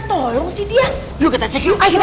tolong sih dia yuk kita cek yuk ayo kita